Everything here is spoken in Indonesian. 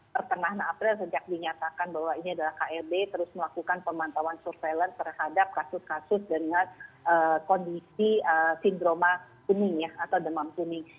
pertengahan april sejak dinyatakan bahwa ini adalah klb terus melakukan pemantauan surveillance terhadap kasus kasus dengan kondisi sindroma kuning atau demam kuning